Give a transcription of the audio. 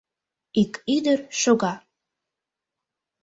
Ик ӱдыр шога.